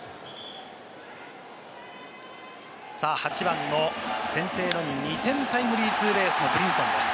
８番の先制の２点タイムリーツーベースのブリンソンです。